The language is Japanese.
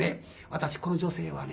私この女性はね